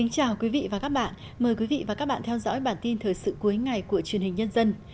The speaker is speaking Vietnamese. chào mừng quý vị đến với bản tin thời sự cuối ngày của truyền hình nhân dân